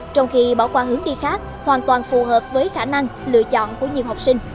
trong khi bỏ qua hướng đi khác hoàn toàn phù hợp với khả năng lựa chọn của nhiều học sinh